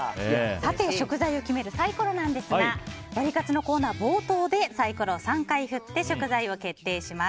食材を決めるサイコロなんですがワリカツのコーナー冒頭でサイコロを３回振って食材を決定します。